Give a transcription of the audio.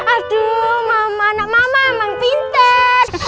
aduh mama anak mama emang pintas